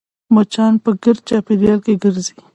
مچان په ګرد چاپېریال کې ګرځي